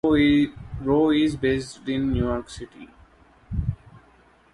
Rowe is based in New York City.